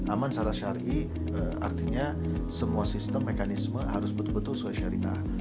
aman secara syari artinya semua sistem mekanisme harus betul betul sesuai syariah